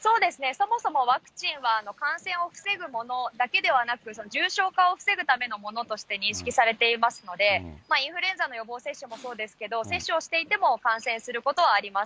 そもそもワクチンは感染を防ぐものだけではなく、重症化を防ぐためのものとして認識されていますので、インフルエンザの予防接種もそうですけれども、接種をしていても感染することはあります。